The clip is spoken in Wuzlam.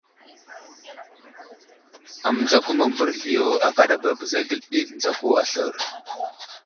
Amənzako mə mbərezl yo akadaba bəza geli ɗi tənzako aslər.